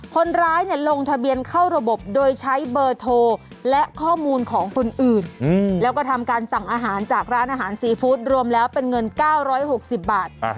คนร้ายลงทะเบียนเข้าระบบโดยใช้เบอร์โทรและข้อมูลของคนอื่นแล้วก็ทำการสั่งอาหารจากร้านอาหารซีฟู้ดรวมแล้วเป็นเงิน๙๖๐บาท